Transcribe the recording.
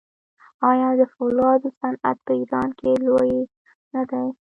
آیا د فولادو صنعت په ایران کې لوی نه دی؟